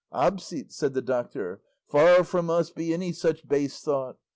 "Absit," said the doctor; "far from us be any such base thought!